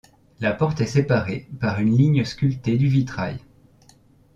La porte est séparée par une ligne sculptée du vitrail.